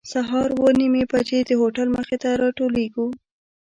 سهار اوه نیمې بجې د هوټل مخې ته راټولېږو.